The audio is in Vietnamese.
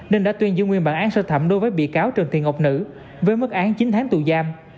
nên đã tuyên giữ nguyên bản án sơ thẩm đối với bị cáo trần tiền ngọc nữ với mức án chín tháng tù giam